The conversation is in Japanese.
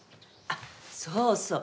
あっそうそう。